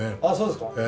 あっそうですか？